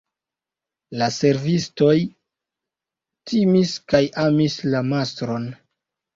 La servistoj timis kaj amis la mastron.